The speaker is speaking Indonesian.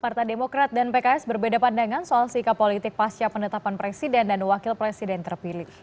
partai demokrat dan pks berbeda pandangan soal sikap politik pasca penetapan presiden dan wakil presiden terpilih